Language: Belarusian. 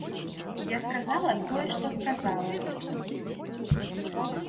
Я сказала тое, што сказала.